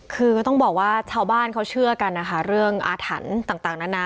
คือต้องบอกว่าเช่าบ้านเขาเชื่อกันนะคะเรื่องอาถรรพ์ต่างต่างนั้นนะ